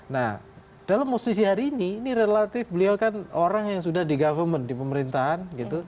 nah dalam posisi hari ini ini relatif beliau kan orang yang sudah di government di pemerintahan